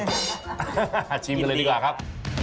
ชิมกันเลยดีกว่าครับ